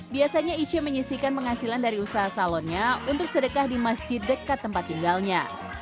biasanya isya menyisikan penghasilan dari usaha salonnya untuk sedekah di masjid dekat tempat tinggalnya